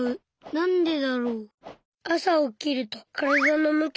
なんでだろう？